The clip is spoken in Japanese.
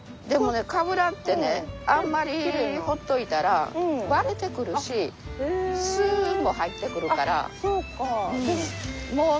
でもねかぶらってねあんまりほっといたら割れてくるしスも入ってくるから。